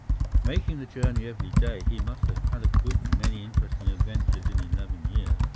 Making the journey every day, he must have had a good many interesting adventures in eleven years.